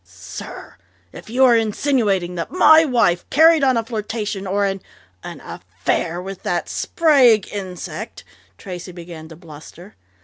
"Sir, if you are insinuating that my wife carried on a flirtation or an an affair with that Sprague insect " Tracey began to bluster.